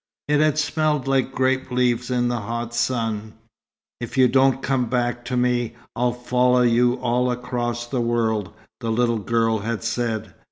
It had smelled like grape leaves in the hot sun. "If you don't come back to me, I'll follow you all across the world," the little girl had said.